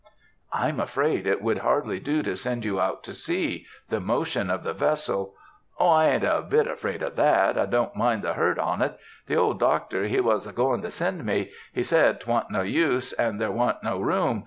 "I'm afraid it would hardly do to send you out to sea,—the motion of the vessel—" "O, I a'n't a bit afraid of that, I don't mind the hurt on't. The old doctor, he wasn't a goin' to send me; he said 'twan't no use, and there wasn't no room.